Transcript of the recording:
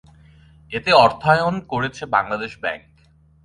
এতে অর্থায়ন করেছে বাংলাদেশ ব্যাংক।